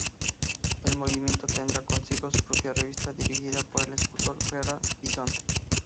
El movimiento tendrá consigo su propia revista, dirigida por el escultor Ferrant, "Bisonte.